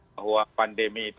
bahwa pandemi itu